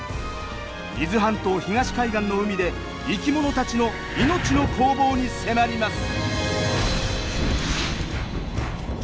伊豆半島東海岸の海で生きものたちの命の攻防に迫ります。